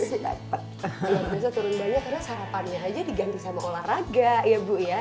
tidak terasa turun banyak karena sarapannya saja diganti oleh olahraga ya bu ya